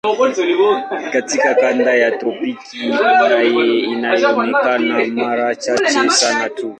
Katika kanda ya tropiki inaonekana mara chache sana tu.